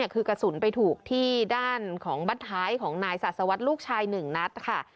คือกระสุนไปถูกที่ด้านของบัตรท้ายของนายศาสวัสดิ์ลูกชาย๑นัดค่ะ